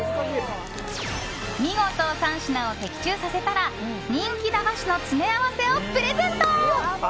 見事３品を的中させたら人気駄菓子の詰め合わせをプレゼント。